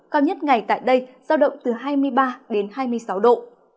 coi nhất ngày tại đây giao động từ hai mươi ba hai mươi sáu độ